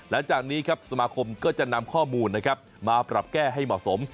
และจากนี้ครับสมาคมก็จะนำข้อมูลนะครับมาปรับแก้ให้เหมาะสม